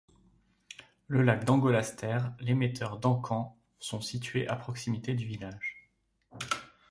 Le lac d'Engolasters et l'émetteur d'Encamp sont situés à proximité du village.